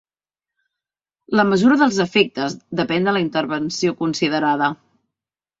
La mesura dels efectes depèn de la intervenció considerada.